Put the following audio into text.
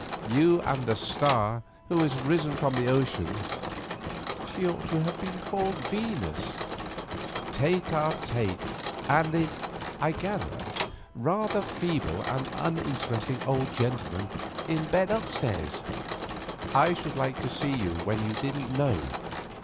You and the Star who has risen from the ocean—she ought to have been called Venus—tête à tête, and the, I gather, rather feeble and uninteresting old gentleman in bed upstairs. I should like to see you when you didn't know.